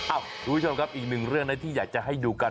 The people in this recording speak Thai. คุณผู้ชมครับอีกหนึ่งเรื่องนะที่อยากจะให้ดูกัน